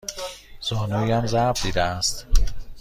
زانویم ضرب دیده است.